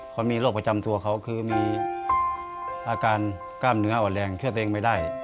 เขามีโรคประจำตัวเขาคือมีอาการกล้ามเนื้ออ่อนแรงเชื่อตัวเองไม่ได้